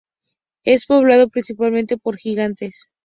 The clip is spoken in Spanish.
Es poblado principalmente por gigantes.